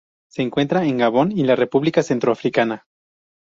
Se encuentra en Gabón y la República Centroafricana.